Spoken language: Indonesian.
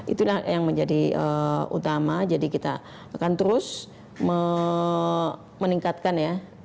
itulah yang menjadi utama jadi kita akan terus meningkatkan ya